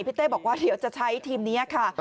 เต้บอกว่าเดี๋ยวจะใช้ทีมนี้ค่ะ